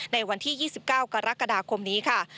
ในวันที่๒๙กรกฎาคมนี้ค่ะ